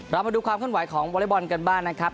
เรามาดูความขึ้นไหวของวอเล็กบอลกันบ้างนะครับ